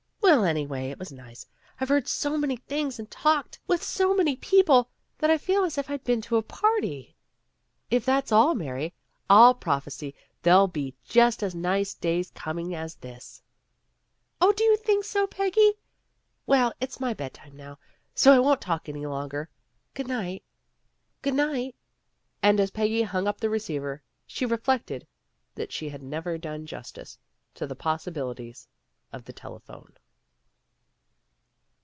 "Well, anyway, it was nice. I've heard so many things and talked with so many peo 38 PEGGY RAYMOND'S WAY pie that I feel as if I'd been to a party. " "If that's all, Mary, I'll prophesy there'll be just as nice days coming as this." "Oh, do you think so, Peggy! Well, it's my bed time now, so I won't talk any longer. Good night." "Good night!" And as Peggy hung up the receiver, she reflected that she had never done justice to the possibilities of the telephone.